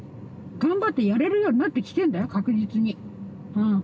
頑張ってやれるようになってきてんだよ確実にうん。